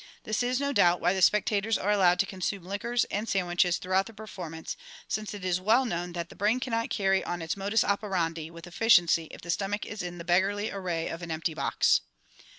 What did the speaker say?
This is, no doubt, why the spectators are allowed to consume liquors and sandwiches throughout the performance, since it is well known that the brain cannot carry on its modus operandi with efficiency if the stomach is in the beggarly array of an empty box!